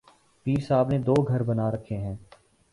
پیر صاحب نے دوگھر بنا رکھے ہیں۔